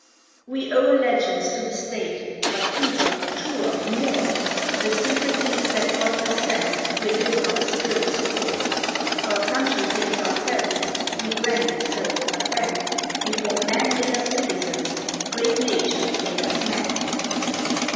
We owe allegiance to the State; but deeper, truer, more, To the sympathies that God hath set within our spirit's core; Our country claims our fealty; we grant it so, but then Before Man made us citizens, great Nature made us men.